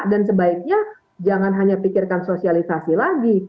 dan sebaiknya jangan hanya pikirkan sosialisasi lagi